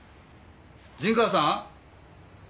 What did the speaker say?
陣川さーん？